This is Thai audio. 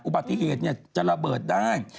อุบัติเหตุจะระเบิดได้